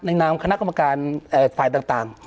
นามคณะกรรมการฝ่ายต่าง